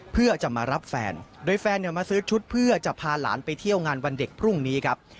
เพื่อจะมารับแฟนโดยแฟนเนี่ยมาซื้อชุดเพื่อจะพาหลานไปเที่ยวงานวันเด็กพรุ่งนี้ครับ